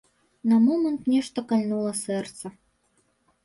На момант нешта кальнула сэрца.